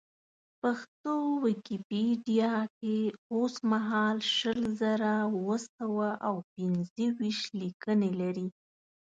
پښتو ویکیپېډیا کې اوسمهال شل زره اوه سوه او پېنځه ویشت لیکنې لري.